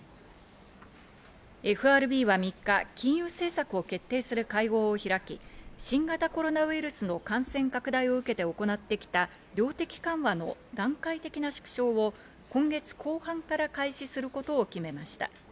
ＦＲＢは３日、金融政策を決定する会合を開き、新型コロナウイルスの感染拡大を受けて行ってきた量的緩和の段階的な縮小を今月後半から開始することを決めました。